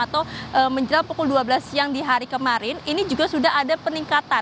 atau menjelang pukul dua belas siang di hari kemarin ini juga sudah ada peningkatan